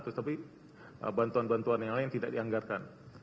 tetapi bantuan bantuan yang lain tidak dianggarkan